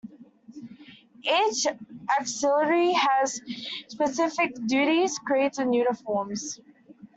Each auxiliary has specific duties, creeds and uniforms.